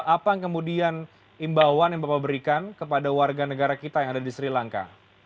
apa kemudian imbauan yang bapak berikan kepada warga negara kita yang ada di sri lanka